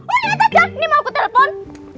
oh lihat aja ini mau aku telepon